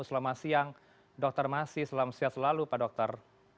selamat siang dr maksi selamat siang selalu pak dokter